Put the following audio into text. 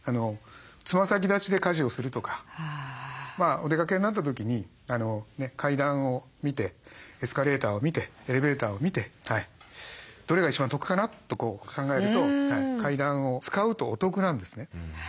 つま先立ちで家事をするとかお出かけになった時に階段を見てエスカレーターを見てエレベーターを見てどれが一番得かな？と考えると階段を使うとお得なんですね。